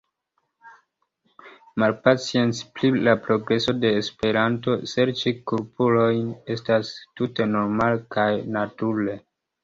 Malpacienci pri la progreso de Esperanto, serĉi kulpulojn, estas tute normale kaj nature.